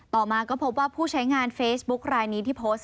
ต่อมาก็พบว่าผู้ใช้งานเฟซบุ๊ครายนี้ที่โพสต์